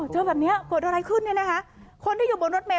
จนแบบนี้โกรธอะไรขึ้นนี่คนที่อยู่บนรถเมย์